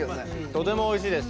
とてもおいしいです！